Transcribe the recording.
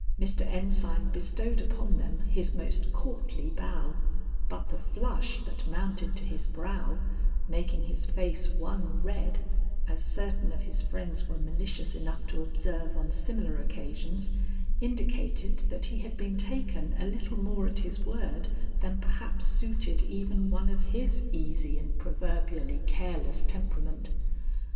Mr. Ensign bestowed upon them his most courtly bow, but the flush that mounted to his brow making his face one red, as certain of his friends were malicious enough to observe on similar occasions indicated that he had been taken a little more at his word than perhaps suited even one of his easy and proverbially careless temperament.